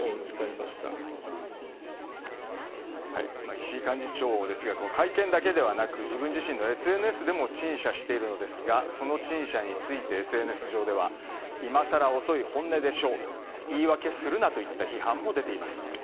石井幹事長ですが会見だけではなく自分自身のＳＮＳでも陳謝しているんですがその陳謝について、ＳＮＳ上では今更遅い、本音でしょう言い訳するなといった批判も出ています。